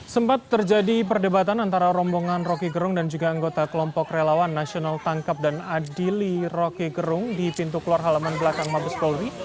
sempat terjadi perdebatan antara rombongan roky gerung dan juga anggota kelompok relawan nasional tangkap dan adili roky gerung di pintu keluar halaman belakang mabes polri